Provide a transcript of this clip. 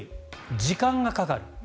時間がかかる。